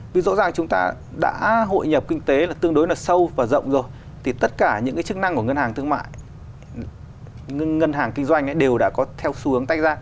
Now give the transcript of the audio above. vì rõ ràng chúng ta đã hội nhập kinh tế là tương đối là sâu và rộng rồi thì tất cả những cái chức năng của ngân hàng thương mại ngân hàng kinh doanh đều đã có theo xu hướng tách ra